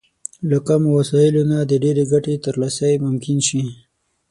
له کمو وسايلو نه د ډېرې ګټې ترلاسی ممکن شي.